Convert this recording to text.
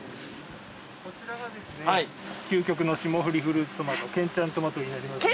こちらが究極の霜降りフルーツトマト健ちゃんとまとになります。